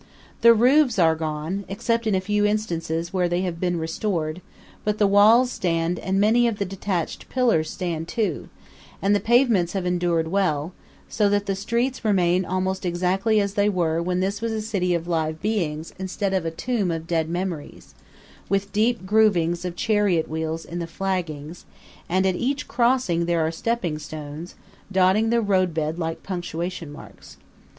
The roofs are gone, except in a few instances where they have been restored; but the walls stand and many of the detached pillars stand too; and the pavements have endured well, so that the streets remain almost exactly as they were when this was a city of live beings instead of a tomb of dead memories, with deep groovings of chariot wheels in the flaggings, and at each crossing there are stepping stones, dotting the roadbed like punctuation marks.